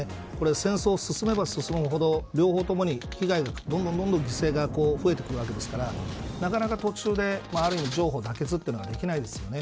戦争が進めば進むほど両方ともに被害がどんどん犠牲が増えてくるわけですからなかなか、途中で譲歩、妥結はできないですよね。